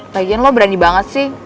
pengen lo berani banget sih